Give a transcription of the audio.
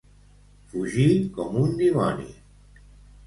Fugir com un dimoni.